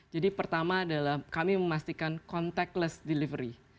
jadi pertama adalah kami memastikan contactless delivery